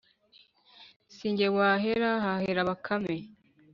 si nge wahera; hahera bakame.